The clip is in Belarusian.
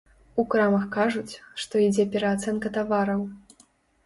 У крамах кажуць, што ідзе пераацэнка тавараў.